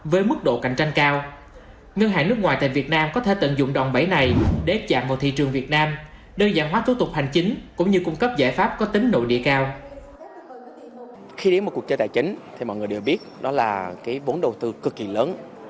với mức độ cạnh tranh cao ngân hàng nước ngoài tại việt nam có thể tận dụng đòn bẫy này để chạm vào thị trường việt nam đơn giản hóa thủ tục hành chính cũng như cung cấp giải pháp có tính nội địa cao